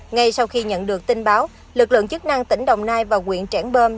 ngay sau khi nhận được tin báo lực lượng chức năng tỉnh đồng nai và huyện trảng bom